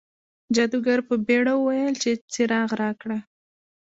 جادوګر په بیړه وویل چې څراغ راکړه.